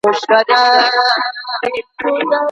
بېنظمه،